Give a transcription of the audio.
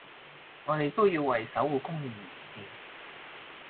我哋都要為守護公義而戰